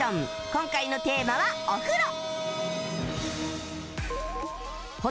今回のテーマはお風呂